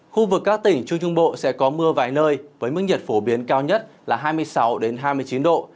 khu vực các tỉnh trung trung bộ sẽ có mưa vài nơi với mức nhiệt phổ biến cao nhất là hai mươi sáu hai mươi chín độ